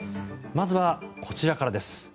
まずはこちらからです。